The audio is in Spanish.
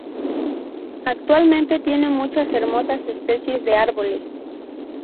Actualmente tiene muchas hermosas especies de árboles.